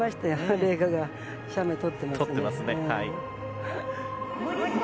麗華がね、写メ撮ってますね。